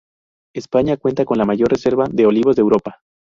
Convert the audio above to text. España cuenta con la mayor reserva de olivos de Europa.